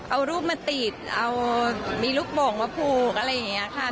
เอารูปมาติดเอามีลูกโป่งมาผูกอะไรอย่างนี้ค่ะ